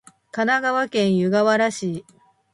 神奈川県湯河原町